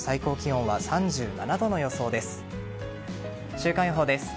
週間予報です。